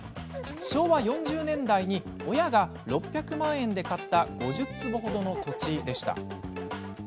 昭和４０年代に親が６００万円で買った５０坪ほどの土地でした。